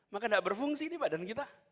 maka tidak berfungsi nih badan kita